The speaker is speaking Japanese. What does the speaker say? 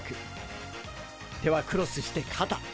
手はクロスしてかた！